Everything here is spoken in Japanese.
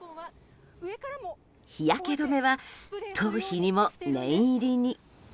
日焼け止めは頭皮にも念入りに。